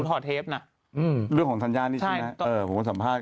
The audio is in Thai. ตอนนี้เอานี่อยากเคยสัมภาษณ์